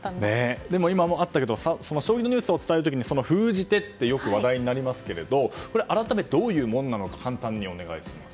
でも、今もあったけど将棋のニュースを伝える時に封じ手ってよく話題になりますけど改めて、どういうものなのか簡単にお願いします。